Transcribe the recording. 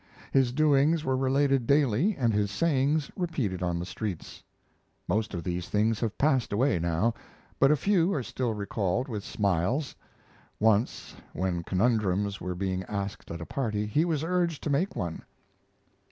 His doings were related daily and his sayings repeated on the streets. Most of these things have passed away now, but a few are still recalled with smiles. Once, when conundrums were being asked at a party, he was urged to make one.